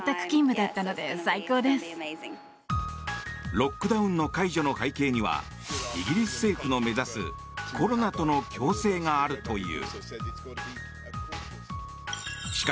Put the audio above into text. ロックダウンの解除の背景にはイギリス政府の目指すコロナとの共生があるという。